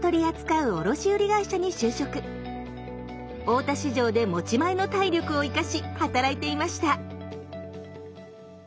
大田市場で持ち前の体力を生かし働いていました。